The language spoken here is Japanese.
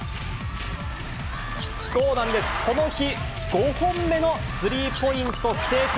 そうなんです、この日、５本目のスリーポイント成功。